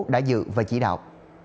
đã dự và chỉ đạo